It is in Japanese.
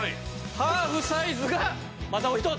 ハーフサイズがまたお一つ。